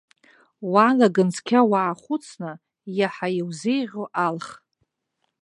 Уаалаган, цқьа уаахәыцны, иаҳа иузеиӷьу алх.